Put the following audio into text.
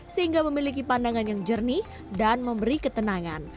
sehingga memiliki pandangan yang jernih dan memberi ketenangan